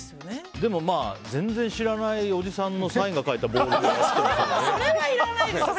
でも、全然知らないおじさんのサインが書いたボールは。